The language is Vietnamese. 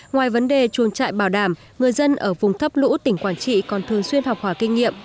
ngoài vấn đề chuồng trại bảo đảm người dân ở vùng thấp lũ tỉnh quảng trị còn thường xuyên học hỏi kinh nghiệm